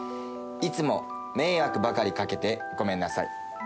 いつも迷惑ばかりかけてごめんなさい。